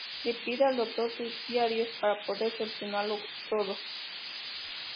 Le pide al doctor sus diarios para poder solucionarlo todo.